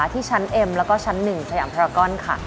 ที่ชั้นเอ็มแล้วก็ชั้น๑สยามพรากอนค่ะ